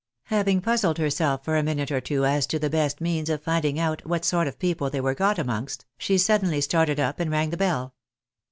Having puzzled herself for a minute or two as to the best means of finding out A\diat sort of people they were got amongst, she suddenly started up and rang the bell.